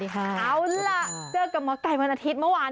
เอาล่ะเจอกับหมอไก่วันอาทิตย์เมื่อวาน